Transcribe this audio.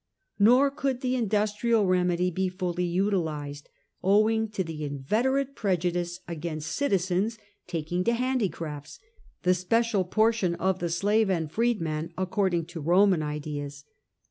Nor could the industrial remedy be fully utilised, owing to th© inveterate prejudice against citizens taking to handicrafts — th© special portion of the slave and f reed man according to Roman ideas.